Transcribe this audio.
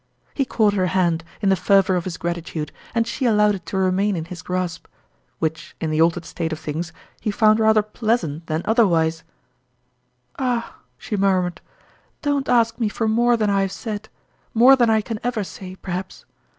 He caught her hand, in the fervor of his gratitude, and she allowed it to remain in his grasp; which in the altered state of things, he found rather pleasant than otherwise. " Ah !" she murmured, " don't ask me for more than I have said more than I can ever say, perhaps